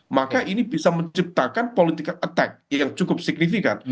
maka ini bisa menciptakan political attack yang cukup signifikan